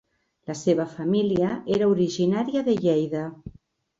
La seva família era originària de Lleida.